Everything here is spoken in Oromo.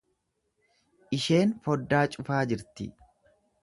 Isheen foddaa cufaa jirti.